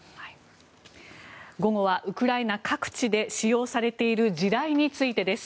午後はウクライナ各地で使用されている地雷についてです。